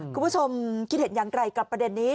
คุณผู้ชมคิดเห็นอย่างไรกับประเด็นนี้